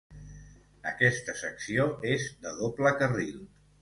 Aquesta secció és de doble carril.